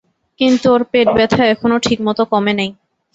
কিন্তু ওর পেট ব্যথা এখনো ঠিকমত কমে নাই।